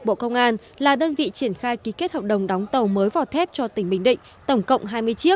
đến nay đơn vị triển khai ký kết hợp đồng đóng tàu mới vỏ thép cho tỉnh bình định